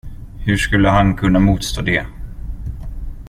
Hur skulle han kunna motstå det.